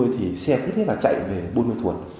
thì xe thích thích là chạy về buôn ma thuộc